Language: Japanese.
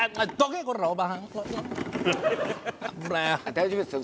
大丈夫ですよ。